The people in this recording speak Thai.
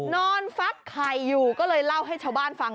นอนฟักไข่อยู่ก็เลยเล่าให้ชาวบ้านฟัง